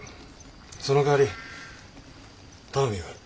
そのかわり頼みがある。